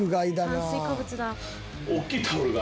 炭水化物だ。